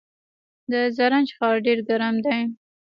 د زرنج ښار ډیر ګرم دی